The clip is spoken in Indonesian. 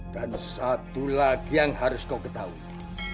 dan satu lagi yang harus kau ketahui